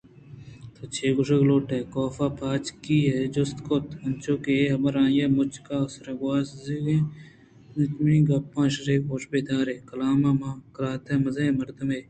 تو چے گوٛشگ لوٹے؟ کافءَ پہ اجکہی جست کُت انچو کہ اے حبر آئی ءِ مجگ ءَ سر گوٛزگ ءَ اِنتمنی گپاں شری ءَ گوش بہ دار کلام((herrkalamقلات ءِ مزنیں مردمے